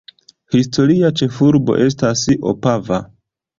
Historia ĉefurbo estas Opava.